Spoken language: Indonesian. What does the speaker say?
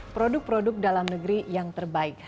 produk produk dalam negeri yang terbaik